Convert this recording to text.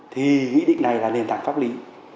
thì nghị định này là nền tảng pháp lý